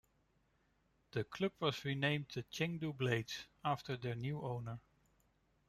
The club was renamed the Chengdu Blades, after their new owners.